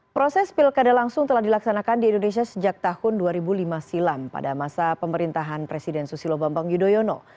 proses pilkada langsung telah dilaksanakan di indonesia sejak tahun dua ribu lima silam pada masa pemerintahan presiden susilo bambang yudhoyono